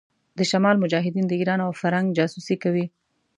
د شمال مجاهدين د ايران او فرنګ جاسوسي کوي.